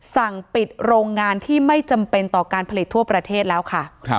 สั่งปิดโรงงานที่ไม่จำเป็นต่อการผลิตทั่วประเทศแล้วค่ะ